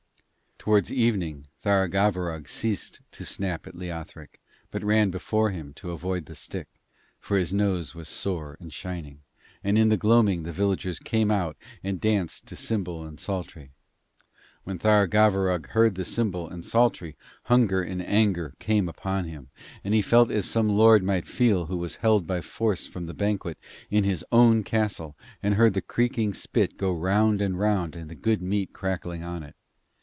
Towards evening Tharagavverug ceased to snap at Leothric, but ran before him to avoid the stick, for his nose was sore and shining; and in the gloaming the villagers came out and danced to cymbal and psaltery. When Tharagavverug heard the cymbal and psaltery, hunger and anger came upon him, and he felt as some lord might feel who was held by force from the banquet in his own castle and heard the creaking spit go round and round and the good meat crackling on it.